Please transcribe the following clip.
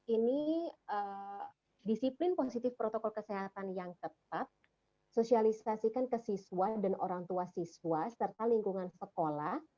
ini disiplin positif protokol kesehatan yang ketat sosialisasikan ke siswa dan orang tua siswa serta lingkungan sekolah